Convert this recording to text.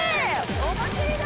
お祭りだ！